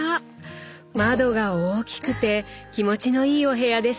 窓が大きくて気持ちのいいお部屋ですね。